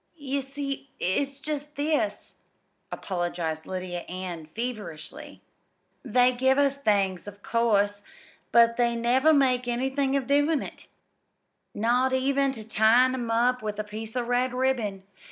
"Ye see, it's just this," apologized Lydia Ann feverishly. "They give us things, of course, but they never make anythin' of doin' it, not even ter tyin' 'em up with a piece of red ribbon.